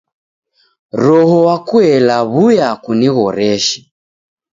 Roho wa kuela w'uya kunighoreshe.